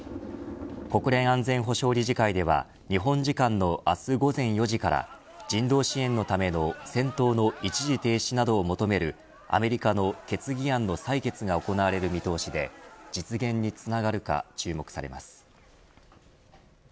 国連安全保障理事会では日本時間の明日午前４時から人道支援のための戦闘の一時停止などを求めるアメリカの決議案の採決が行われる見通しで実現につながるか注目されます。